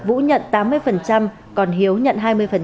vũ nhận tám mươi còn hiếu nhận hai mươi